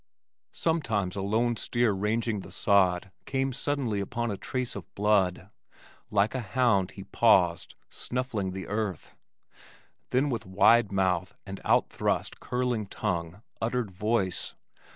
Sometimes a lone steer ranging the sod came suddenly upon a trace of blood. Like a hound he paused, snuffling the earth. Then with wide mouth and outthrust, curling tongue, uttered voice.